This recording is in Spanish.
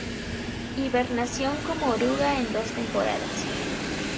Hibernación como oruga en dos temporadas.